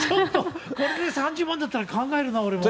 これで３０万だったら考えるな、俺も。